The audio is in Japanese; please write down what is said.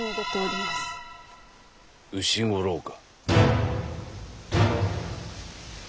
丑五郎か？